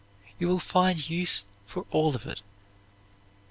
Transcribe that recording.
You will find use for all of it.